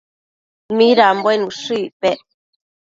midanbuen ushë icpec?